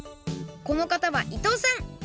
このかたは伊藤さん。